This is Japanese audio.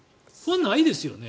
ないですよね。